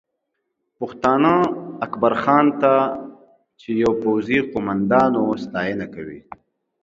پښتانه اکبرخان ته چې یو پوځي قومندان و، ستاینه کوي